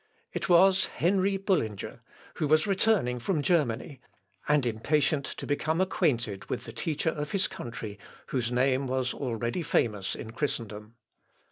It was Henry Bullinger, who was returning from Germany, and impatient to become acquainted with the teacher of his country, whose name was already famous in Christendom.